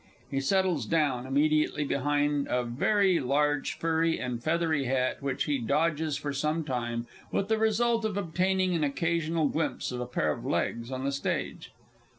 [_He settles down immediately behind a very large, furry, and feathery hat, which he dodges for some time, with the result of obtaining an occasional glimpse of a pair of legs on the stage.